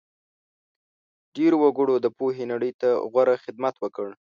ډېرو وګړو د پوهې نړۍ ته غوره خدمت وکړ.